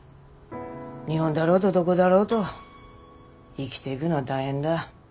日本だろうとどごだろうと生ぎでいくのは大変だ。